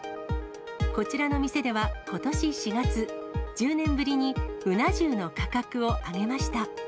こちらの店では、ことし４月、１０年ぶりにうな重の価格を上げました。